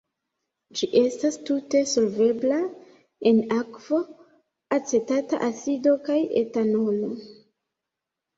Ĝi estas tute solvebla en akvo, acetata acido kaj etanolo.